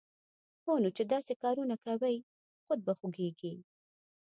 هونو چې داسې کارونه کوی، خود به خوږېږې